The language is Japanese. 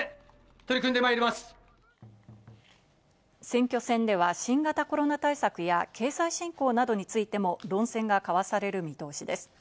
選挙戦では新型コロナ対策や経済振興などについても論戦が交わされる見通しです。